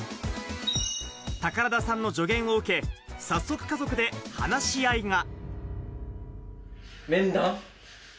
宝田さんの助言を受け、早速家族で話し合いが。